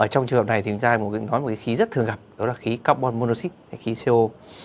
trong trường hợp này chúng ta có một khí rất thường gặp đó là khí carbon monoxid khí co